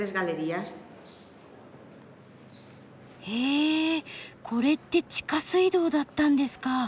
へえこれって地下水道だったんですか。